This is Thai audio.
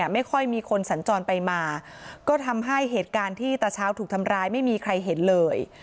ไม่ค่อยมีคนสัญจรไปมาก็ทำให้เหตุการณ์ที่ตาเช้าถูกทำร้ายไม่มีใครเห็นเลย